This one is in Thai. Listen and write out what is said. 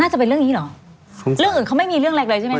จะเป็นเรื่องนี้เหรอเรื่องอื่นเขาไม่มีเรื่องแรกเลยใช่ไหมค